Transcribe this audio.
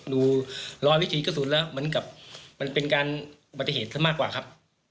ดูลอยวิถีกระสุนแล้วมันเป็นการอุบัติเหตุมากกว่าครับ